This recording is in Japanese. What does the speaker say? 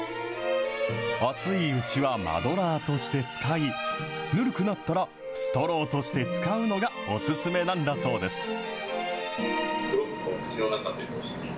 熱いうちはマドラーとして使い、ぬるくなったらストローとして使うのがお勧めなんだそうです。